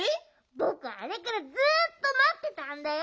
ぼくあれからずっとまってたんだよ。